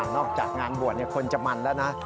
นอกจากงานบวชเนี่ยคนจะมันแล้วนะ